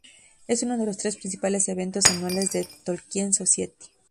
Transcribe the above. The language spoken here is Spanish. Es uno de los tres principales eventos anuales de la Tolkien Society.